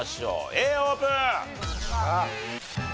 Ａオープン！